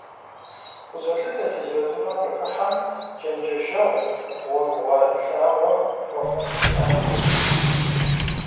Къызолъытэ, литературэм къыхыхьэм чэнджэщэгъу, гъуэгугъэлъагъуэ хуэхъун иӀэн хуейуи.